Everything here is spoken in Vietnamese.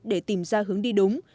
để tìm ra hướng đi đúng